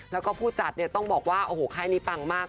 แล้วก็ผู้จัดเนี่ยต้องบอกว่าโอ้โหค่ายนี้ปังมาก